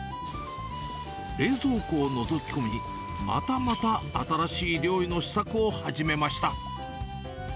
冷蔵庫をのぞき込み、またまた新しい料理の試作を始めました。